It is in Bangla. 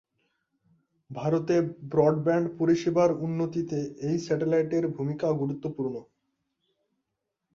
ভারতে ব্রডব্যান্ড পরিষেবার উন্নতিতে এই স্যাটেলাইটের ভূমিকা গুরুত্বপূর্ণ।